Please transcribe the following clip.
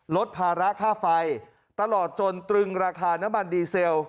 ลดภาระค่าไฟตลอดจนตรึงราคาน้ำมันดีเซล